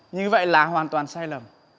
như vậy là hoàn toàn sai lầm